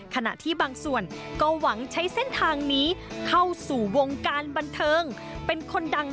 ขณะที่บางส่วนก็หวังใช้เส้นทางนี้เข้าสู่วงการบันเทิงเป็นคนดัง